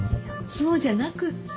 そうじゃなくって。